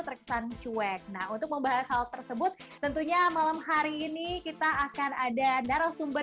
terkesan cuek nah untuk membahas hal tersebut tentunya malam hari ini kita akan ada narasumber